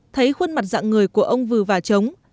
thấy khuôn mặt dạng người của ông vừa vả trống